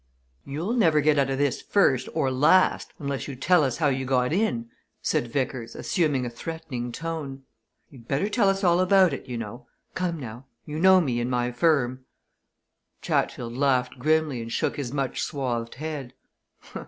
"You'll never get out of this first or last, until you tell us how you got in," said Vickers, assuming a threatening tone. "You'd better tell us all about it, you know. Come now! you know me and my firm." Chatfield laughed grimly and shook his much swathed head.